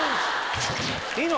いいの？